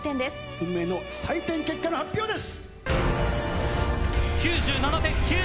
運命の採点結果の発表です！